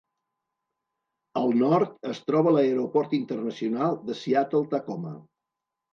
Al nord es troba l'Aeroport internacional de Seattle-Tacoma.